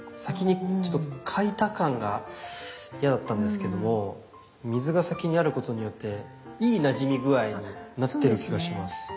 先に描いた感が嫌だったんですけども水が先にあることによっていいなじみ具合になってる気がします。